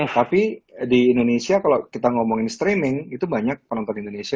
tapi di indonesia kalau kita ngomongin streaming itu banyak penonton indonesia